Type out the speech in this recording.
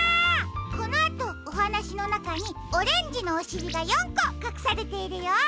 このあとおはなしのなかにオレンジのおしりが４こかくされているよ。